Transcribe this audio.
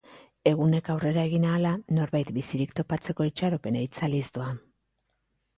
Egunek aurrera egin ahala, norbait bizirik topatzeko itxaropena itzaliz doa.